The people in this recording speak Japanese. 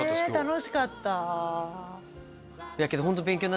ねえ楽しかった。